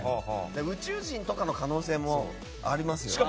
宇宙人とかの可能性もありますし。